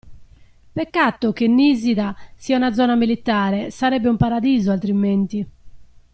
Peccato che Nisida sia una zona militare, sarebbe un paradiso altrimenti.